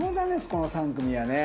この３組はね。